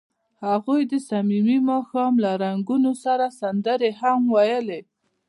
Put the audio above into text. هغوی د صمیمي ماښام له رنګونو سره سندرې هم ویلې.